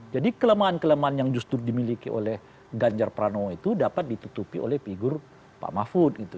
jadi kelemahan kelemahan yang justru dimiliki oleh ganjar peranomo itu dapat ditutupi oleh figur pak mahfud gitu